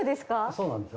そうなんです。